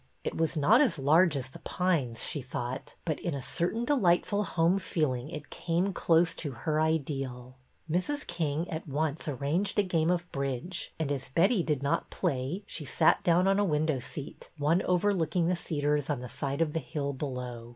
It was not as large as The Pines, she thought, but in a cer tain delightful home feeling it came close to her ideal. Mrs. King at once arranged a game of bridge, and, as Betty did not play, she sat down on a window seat, one overlooking the cedars on the side of the hill below.